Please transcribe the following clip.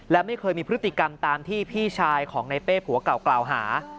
และไม่เคยมีพฤติกรรมตามที่พี่ชายของในเป้ผัวเก่ากล่าวหา